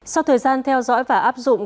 sau thời gian theo dõi và áp dụng